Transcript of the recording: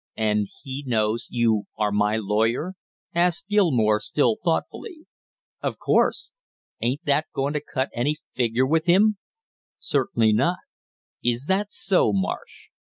"And he knows you are my lawyer?" asked Gilmore still thoughtfully. "Of course." "Ain't that going to cut any figure with him?" "Certainly not." "Is that so, Marsh?"